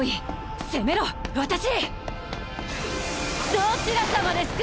どちらさまですか？